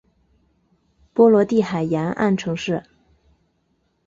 波罗的海沿岸城市。